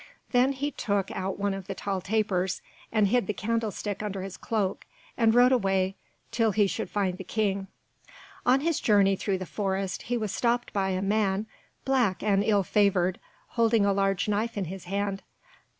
Then he took out one of the tall tapers, and hid the candlestick under his cloak, and rode away until he should find the King. On his journey through the forest he was stopped by a man black and ill favoured, holding a large knife in his hand.